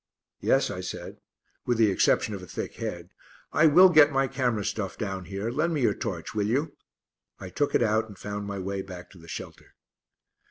"Yes," I said, "with the exception of a thick head. I will get my camera stuff down here. Lend me your torch, will you?" I took it out and found my way back to the shelter.